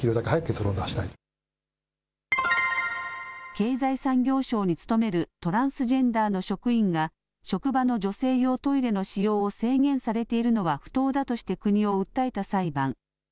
経済産業省に勤めるトランスジェンダーの職員が、職場の女性用トイレの使用を制限されているのは不当だとして国を訴えた裁判。